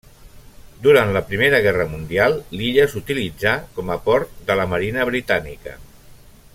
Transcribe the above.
Durant la Primera Guerra Mundial, l'illa s'utilitzà com a port de la marina britànica.